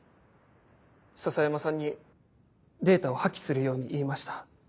篠山さんにデータを破棄するように言いました。